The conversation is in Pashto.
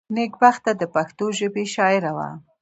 نېکبخته دپښتو ژبي شاعره وه.